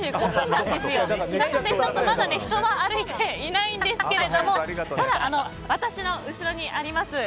なのでまだ人は歩いていないんですがただ、私の後ろにあります